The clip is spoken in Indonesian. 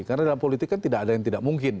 karena dalam politik kan tidak ada yang tidak mungkin